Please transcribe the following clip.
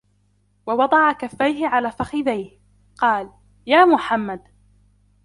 وَوَضَعَ كَفَّيْهِ على فَخِذَيْهِ؛ قالَ: يا محمَّدُ،